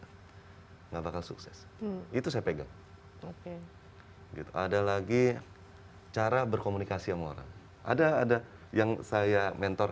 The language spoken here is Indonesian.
enggak bakal sukses itu saja ada lagi cara berkomunikasi ngawur ada ada yang saya mentor